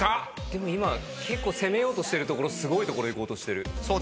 でも今攻めようとしてるところすごいところいこうとしてる。